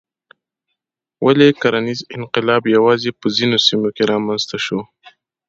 ولې کرنیز انقلاب یوازې په ځینو سیمو رامنځته شو؟